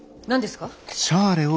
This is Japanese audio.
何ですか？